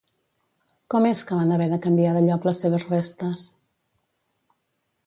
Com és que van haver de canviar de lloc les seves restes?